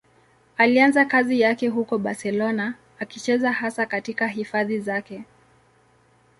Alianza kazi yake huko Barcelona, akicheza hasa katika hifadhi zake.